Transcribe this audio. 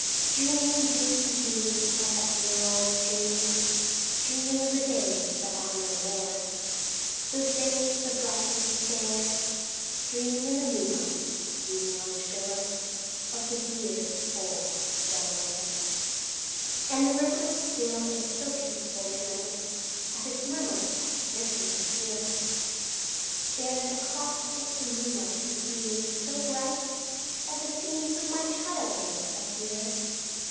REFRAIN: Dreaming, dreaming, dreaming of that dear old stream, Dreaming of the days that are no more The days so bright and fair, Dreaming in the moonlight gleaming on the shore Of the dear old Delaware. II And the river is still, and so peaceful tonight That its murmur I scarcely can hear, And across it the moonlight is beaming so bright That the scenes of my childhood appear.